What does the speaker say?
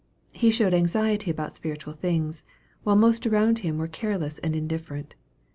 He showed anxiety about spiritual things, while most around him were careless and indifferent.